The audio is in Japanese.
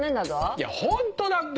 いやホントだって！